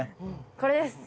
これです。